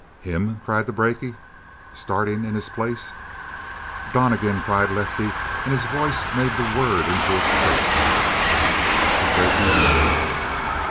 "Him?" cried the brakie, starting in his place. "Donnegan!" cried Lefty, and his voice made the word into a curse. The brakie nodded.